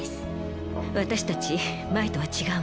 私たち前とは違うの。